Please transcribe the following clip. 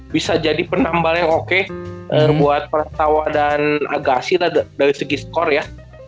bisa jadi penambal yang oke buat perawat dan agasi lah dari segi score ya